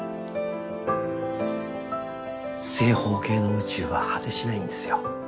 正方形の宇宙は果てしないんですよ。